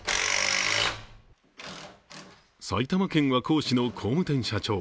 埼玉県和光市の工務店社長